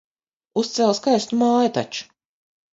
Uzcēla skaistu māju taču.